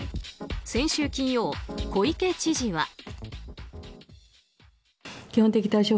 先週金曜、小池知事は。